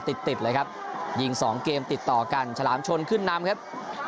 ติดติดเลยครับยิงสองเกมติดต่อกันฉลามชนขึ้นนำครับ